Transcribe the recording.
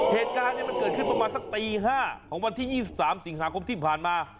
เหตุการณ์มันเกิดขึ้นประมาณสักตี๕ของวันที่๒๓สิงหาคมที่ผ่านมา